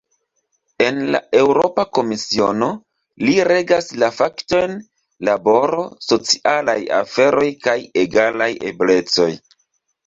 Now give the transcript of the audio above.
En la Eŭropa Komisiono, li regas la fakojn "laboro, socialaj aferoj kaj egalaj eblecoj".